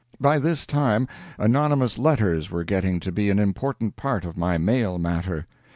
] By this time anonymous letters were getting to be an important part of my mail matter.